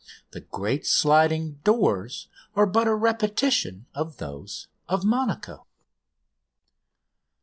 The great sliding doors are but a repetition of those of Monaco.